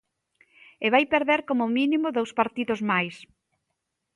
E vai perder como mínimo dous partidos máis.